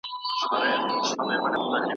استازي به مهم بحثونه پرمخ وړي.